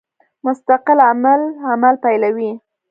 مستقل عامل عمل پیلوي.